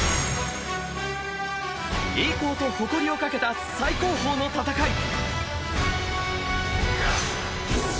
栄光と誇りをかけた最高峰の戦い。